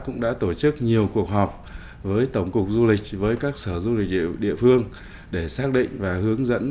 cũng đã tổ chức nhiều cuộc họp với tổng cục du lịch với các sở du lịch địa phương để xác định và hướng dẫn